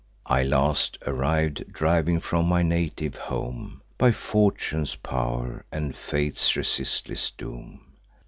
I last arriv'd, driv'n from my native home By fortune's pow'r, and fate's resistless doom.